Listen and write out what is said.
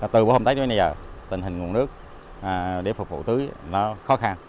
từ hôm tết đến bây giờ tình hình nguồn nước để phục vụ tưới nó khó khăn